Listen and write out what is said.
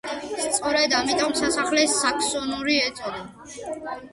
სწორედ ამიტომ სასახლეს საქსონური ეწოდა.